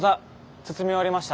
包み終わりました。